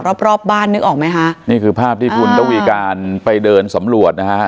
รอบรอบบ้านนึกออกไหมคะนี่คือภาพที่คุณระวีการไปเดินสำรวจนะฮะ